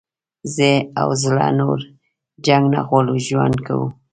زه او زړه نور جنګ نه غواړو ژوند کوو.